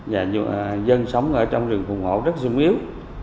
và dân sống ở trong rừng phùng hộ rất dung yếu